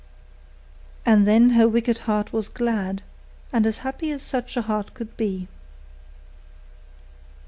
And then her wicked heart was glad, and as happy as such a heart could be.